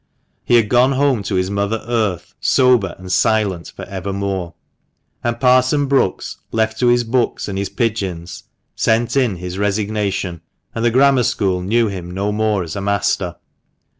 He had gone home to his mother earth, sober and silent for evermore. And Parson Brookes, left to his books and his pigeons, sent in his resignation, and the Grammar School knew him no more as a master.